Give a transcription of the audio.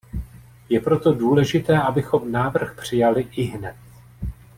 Je proto důležité, abychom návrh přijali ihned.